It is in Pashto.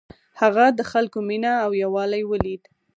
هغه د خلکو مینه او یووالی ولید.